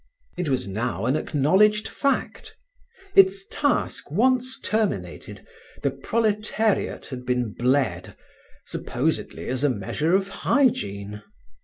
It was now an acknowledged fact. Its task once terminated, the proletariat had been bled, supposedly as a measure of hygiene.